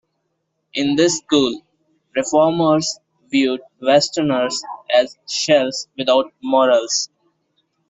In this school, reformers viewed Westerners as shells without morals.